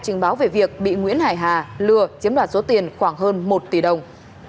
trình báo về việc bị nguyễn hải hà lừa chiếm đoạt số tiền khoảng hơn một tỷ đồng